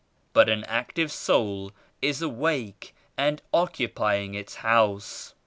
But an active soul is awake and occupying its house.